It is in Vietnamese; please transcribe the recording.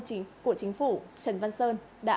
của chính phủ trần văn sơn đã